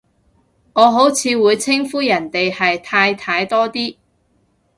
我好似會稱呼人哋係太太多啲